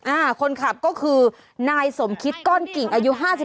อ่าคนขับก็คือนายสมคิดก้อนกิ่งอายุห้าสิบ